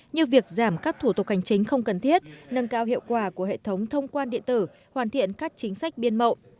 như việc giảm các thủ tục hành chính không cần thiết nâng cao hiệu quả của hệ thống thông quan điện tử hoàn thiện các chính sách biên mậu